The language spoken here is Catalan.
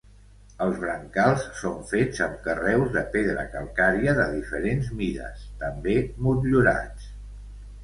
Els brancals són fets amb carreus de pedra calcària de diferents mides, també motllurats.